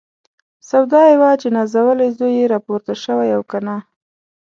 سودا یې وه چې نازولی زوی یې راپورته شوی او که نه.